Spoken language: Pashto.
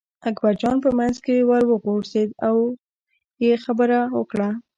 اکبرجان په منځ کې ور وغورځېد او یې خبره وکړه.